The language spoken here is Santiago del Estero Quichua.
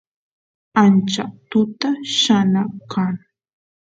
ancha tuta yana kan